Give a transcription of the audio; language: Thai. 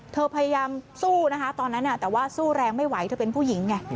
พยายามสู้นะคะตอนนั้นแต่ว่าสู้แรงไม่ไหวเธอเป็นผู้หญิงไง